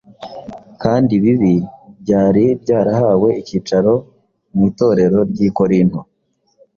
kandi bibi byari byarahawe icyicaro mu itorero ry’i korinto.